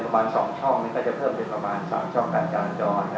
มันก็จะเพิ่มเป็นก็จะเพิ่มเป็นเทียมาสามช่องการเจราจร